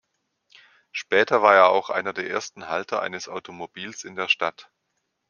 Später war er auch einer der ersten Halter eines Automobils in der Stadt.